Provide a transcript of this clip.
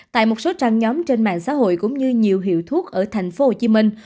tại một số trang nhóm trên mạng xã hội cũng như nhiều hiệu thuốc ở thành phố hồ chí minh